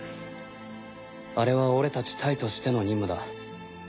あれは俺たち隊としての任務だ。